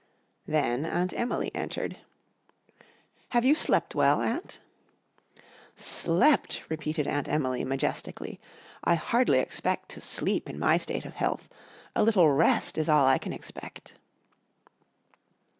Then Aunt Emily entered. "Have you slept well, Aunt?" "Slept!" repeated Aunt Emily majestically. "I hardly expect to sleep in my state of health. A little rest is all I can expect."